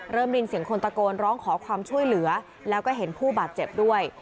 ได้ยินเสียงคนตะโกนร้องขอความช่วยเหลือแล้วก็เห็นผู้บาดเจ็บด้วย